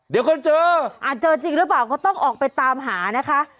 เดี๋ยวคนเจอเจอจริงหรือเปล่าก็ต้องออกไปตามหานะคะ